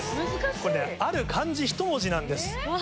これねある漢字ひと文字なんです。